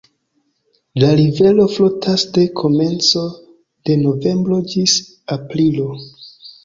La rivero frostas de komenco de novembro ĝis aprilo.